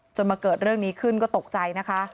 มาเกิดเรื่องนี้ขึ้นก็ตกใจนะคะ